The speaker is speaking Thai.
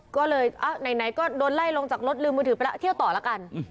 ก็เลยไหนก็โดนไล่ลงจากรถลืมมือถือไปแล้วเที่ยวต่อแล้วกัน